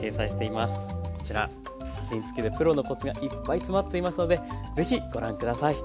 こちら写真付きでプロのコツがいっぱい詰まっていますので是非ご覧下さい。